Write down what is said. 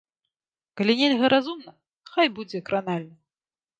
Калі нельга разумна, хай будзе кранальна.